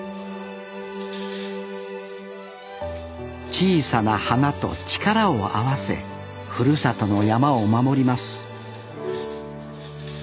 小さな花と力を合わせふるさとの山を守ります